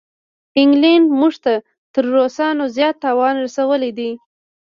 انګلینډ موږ ته تر روسانو زیات تاوان رسولی دی.